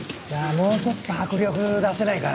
もうちょっと迫力出せないかな？